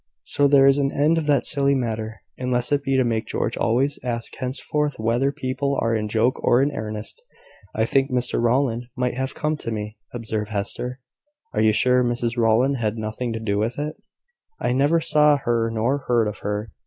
So there is an end of that silly matter, unless it be to make George always ask henceforth whether people are in joke or in earnest." "I think Mr Rowland might have come to me," observed Hester. "Are you sure Mrs Rowland had nothing to do with it?" "I neither saw her nor heard of her.